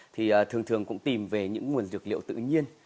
thì thường thường cũng tìm về những nguồn dược liệu tự nhiên